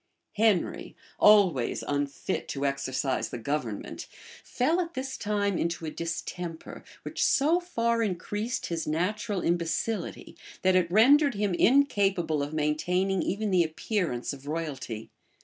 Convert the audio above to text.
{1454.} Henry, always unfit to exercise the government, fell at this time into a distemper, which so far increased his natural imbecility, that it rendered him incapable of maintaining even the appearance of royalty.